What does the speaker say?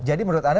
jadi menurut anda